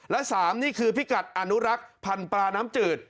และ๓นี่คือพิกัดอนุรักษ์พันธุ์ปลาน้ำจืด